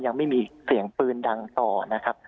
ยังไม่มีเสียงปืนดังต่อนะครับ